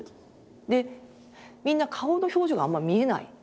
でみんな顔の表情があんま見えないなと。